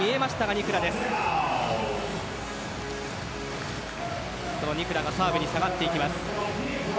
ニクラがサーブに下がっていきます。